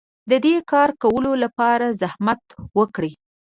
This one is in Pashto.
د دې کار کولو لپاره زحمت وکړئ.